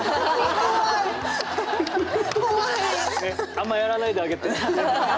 あんまやらないであげて。